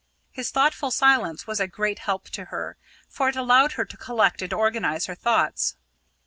His thoughtful silence was a great help to her, for it allowed her to collect and organise her thoughts.